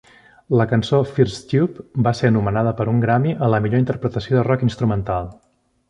La cançó "First Tube" va ser anomenada per un Grammy a la millor interpretació de rock instrumental.